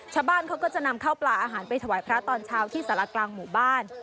ชาวบ้านเขาก็จะนำข้าวปลาอาหารไปถวายพระตอนเช้าที่สารกลางหมู่บ้าน